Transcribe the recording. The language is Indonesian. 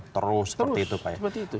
terus seperti itu